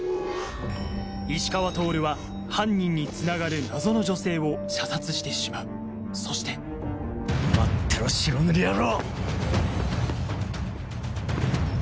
石川透は犯人につながる謎の女性を射殺してしまうそして待ってろ白塗り野郎！